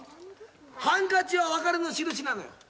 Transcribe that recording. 「ハンカチは別れの印なのよ。